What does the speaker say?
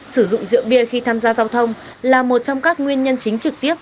sử dụng rượu bia khi tham gia giao thông là một trong các nguyên nhân chính trực tiếp